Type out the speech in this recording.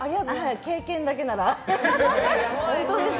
経験だけなら。